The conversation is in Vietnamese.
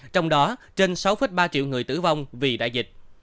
trong đó trên sáu ba triệu người tử vong vì đại dịch